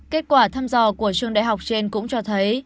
kết quả thăm dò của trường đại học trên cũng cho thấy